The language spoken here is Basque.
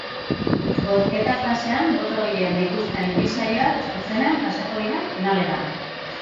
Bozketa-fasean boto gehien dituzten bi saioak zuzenean pasako dira finalera.